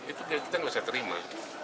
itu kita tidak bisa terima